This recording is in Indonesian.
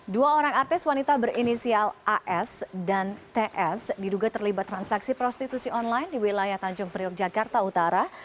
dua orang artis wanita berinisial as dan ts diduga terlibat transaksi prostitusi online di wilayah tanjung priok jakarta utara